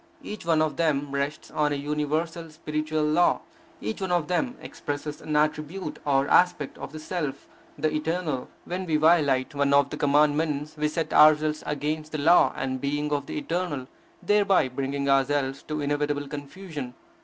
Each one of them rests on a universal, spiritual law. Each one of them expresses an attribute or aspect of the Self, the Eternal; when we violate one of the Commandments, we set ourselves against the law and being of the Eternal, thereby bringing ourselves to inevitable con fusion.